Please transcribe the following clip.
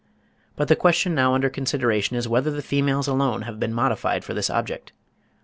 But the question now under consideration is whether the females alone have been modified for this object.